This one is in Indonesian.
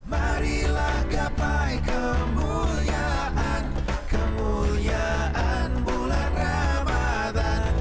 marilah gapai kemuliaan kemuliaan bulan ramadhan